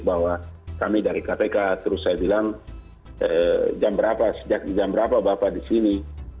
bahwa kami dari kpk terus saya bilang jam berapa sejak jam berapa bapak di sini